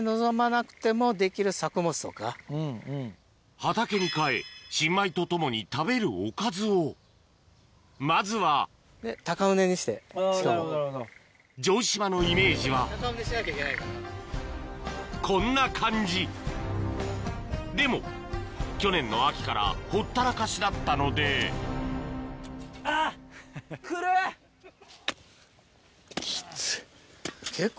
畑に変え新米とともに食べるおかずをまずは城島のイメージはこんな感じでも去年の秋からほったらかしだったのできっつい。